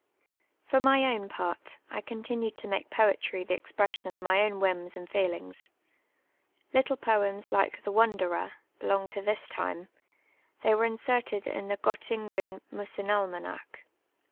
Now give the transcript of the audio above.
For my own part. I continued to make poetry the expression of mv own whims and feelinj^s. Little poems like the " Wan derer " belonf:^ to this time ; they were inserted in the Gottin gni Muscnalmanavh.